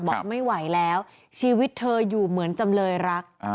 บอกไม่ไหวแล้วชีวิตเธออยู่เหมือนจำเลยรัก